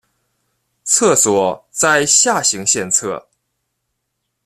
厕所在下行线侧。